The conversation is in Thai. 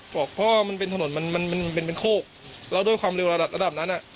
เพราะว่ามันเป็นถนนมันเป็นโคกและด้วยความเร็วระดับนั้น